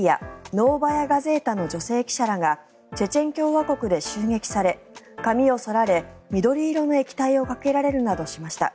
ノーバヤ・ガゼータの女性記者らがチェチェン共和国で襲撃され髪を剃られ、緑色の液体をかけられるなどしました。